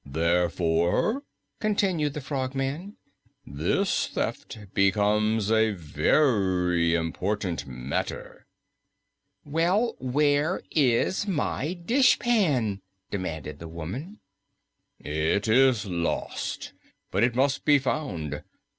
"Therefore," continued the Frogman, "this theft becomes a very important matter." "Well, where is my dishpan?" demanded the woman. "It is lost, but it must be found.